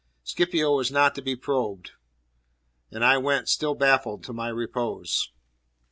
Scipio was not to be probed; and I went, still baffled, to my repose.